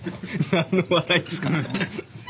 何の笑いですか？